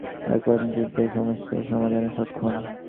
একমাত্র নিঃস্বার্থতাই এই সমস্যার সমাধানে সক্ষম।